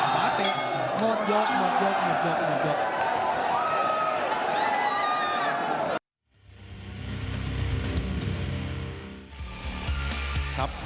ขวาติดหมดโยคหมดโยคหมดโยคหมดโยค